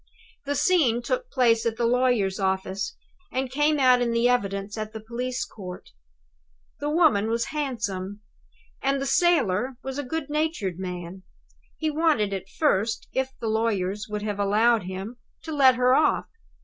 The scene took place at the lawyer's office, and came out in the evidence at the police court. The woman was handsome, and the sailor was a good natured man. He wanted, at first, if the lawyers would have allowed him, to let her off.